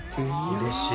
うれしい。